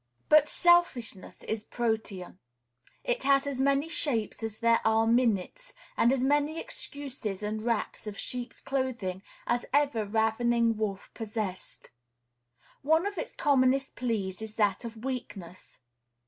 But selfishness is Protean. It has as many shapes as there are minutes, and as many excuses and wraps of sheep's clothing as ever ravening wolf possessed. One of its commonest pleas is that of weakness.